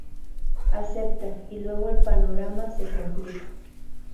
Acepta y luego el panorama se complica.